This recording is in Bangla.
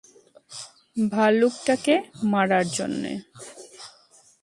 ভালুকটাকে মারার জন্যে।